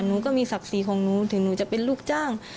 หนูก็มีศักดิ์ศรีของหนูถึงหนูจะเป็นลูกจ้าง